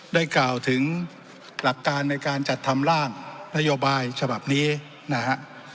กล่าวถึงหลักการในการจัดทำร่างนโยบายฉบับนี้นะฮะ